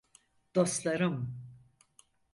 Dostlarım…